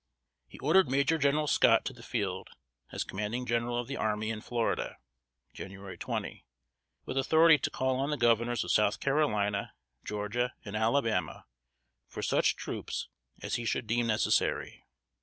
He ordered Major General Scott to the field, as Commanding General of the army in Florida (Jan. 20), with authority to call on the Governors of South Carolina, Georgia and Alabama for such troops as he should deem necessary.